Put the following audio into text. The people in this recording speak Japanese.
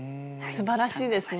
すばらしいですね。